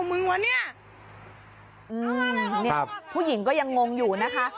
อืมผู้หญิงก็ยังงงอยู่นะคะ